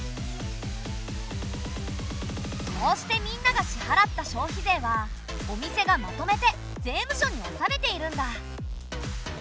こうしてみんなが支払った消費税はお店がまとめて税務署に納めているんだ。